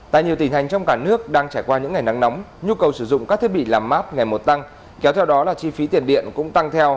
tại nhiều tỉnh thành trong cả nước đang trải qua những ngày nắng nóng nhu cầu sử dụng các thiết bị làm mát ngày một tăng kéo theo đó là chi phí tiền điện cũng tăng theo